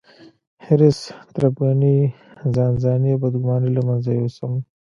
حرص، تربګني، ځانځاني او بدګوماني له منځه يوسم.